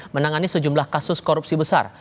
menangani sejumlah kasus korupsi besar